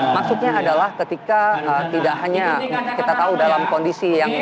maksudnya adalah ketika tidak hanya kita tahu dalam kondisi yang